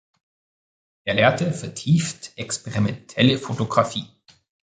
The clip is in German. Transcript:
Er lehrte vertieft experimentelle Fotografie.